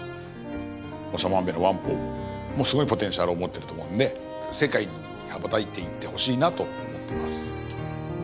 長万部の湾宝もうすごいポテンシャルを持ってると思うので世界に羽ばたいていってほしいなと思ってます。